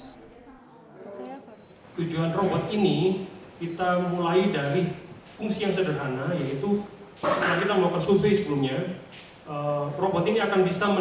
tujuan robot ini kita mulai dari fungsi yang sederhana yaitu